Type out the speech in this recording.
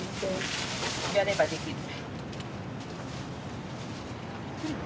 やればできる。